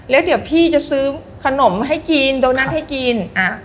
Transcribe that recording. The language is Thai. แล้วเดี๋ยวพี่จะซื้อขนมให้กินตรงนั้นให้กิน